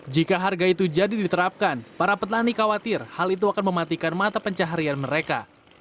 jika harga itu jadi diterapkan para petani khawatir hal itu akan mematikan mata pencaharian mereka